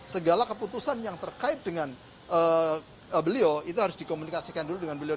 segala keputusan yang terkait dengan beliau itu harus dikomunikasikan dulu dengan beliau